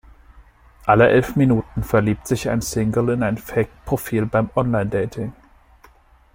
Alle elf Minuten verliebt sich ein Single in ein Fake-Profil beim Online-Dating.